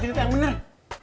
cend yang bener